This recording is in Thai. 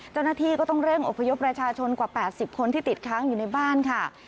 เจ้าหน้าที่ก็ต้องเร่งอพยพประชาชนกว่า๘๐คนที่ติดค้างอยู่ในบ้านค่ะ